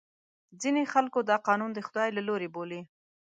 ځینې خلکو دا قانون د خدای له لورې بولي.